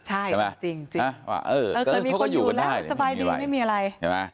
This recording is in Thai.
ใช่จริงเคยมีคนอยู่แล้วสบายดีไม่มีอะไร